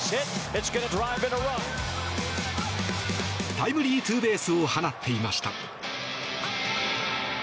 タイムリーツーベースを放っていました。